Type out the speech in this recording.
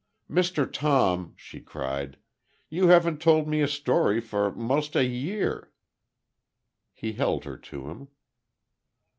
"Mr. Tom," she cried, "you haven't told me a story for most a year!" He held her to him.